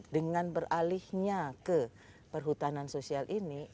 dengan beralihnya ke perhutanan sosial ini